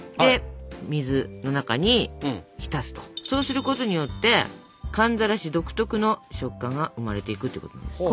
そうすることによって寒ざらし独特の食感が生まれていくっていうことなんですよ。